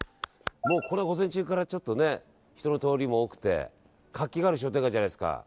午前中から人の通りも多くて活気がある商店街じゃないですか。